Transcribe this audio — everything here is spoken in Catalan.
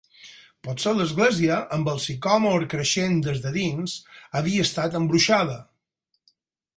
Potser l'església, amb el sicòmor creixent des de dins, havia estat embruixada.